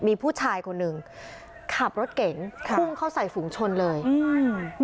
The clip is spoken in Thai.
มีผู้ชายคนหนึ่งขับรถเก๋งค่ะพุ่งเข้าใส่ฝูงชนเลยอืม